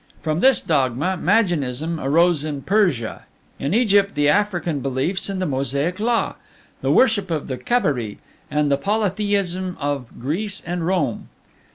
From this dogma Magianism arose in Persia; in Egypt, the African beliefs and the Mosaic law; the worship of the Cabiri, and the polytheism of Greece and Rome.